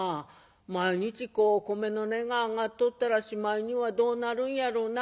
毎日こう米の値が上がっとったらしまいにはどうなるんやろうな」。